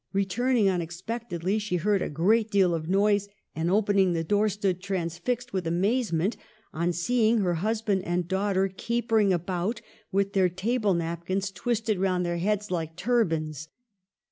Returning unex pectedly, she heard a good deal of noise, and, opening the door, stood transfixed with amaze ment on seeing her husband and daughter caper ing about, with their table napkins twisted round their heads like turbans.